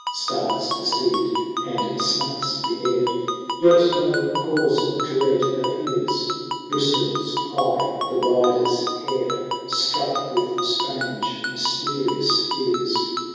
Starts the steed, and snuffs the air, Yet no cause of dread appears ; Bristles high the rider's hair, Struck with strange mysterious fears.